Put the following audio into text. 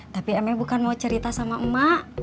tapi emang bukan mau cerita sama emak